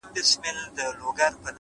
o زمـا مــاسوم زړه؛